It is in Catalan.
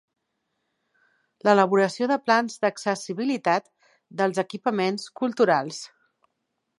L'elaboració de plans d'accessibilitat dels equipaments culturals.